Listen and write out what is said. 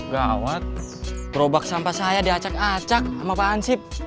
gawat gerobak sampah saya diacak acak sama pak ansip